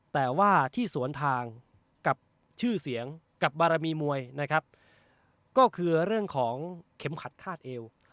แต่ว่าที่สวนทางกับชื่อเสียงกับบารมีมวยนะครับก็คือเรื่องของเข็มขัดคาดเอว